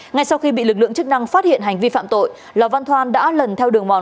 ngay sau khi bị lực lượng chức năng phát hiện hành vi phạm tội lò văn thoan đã lần theo đường mòn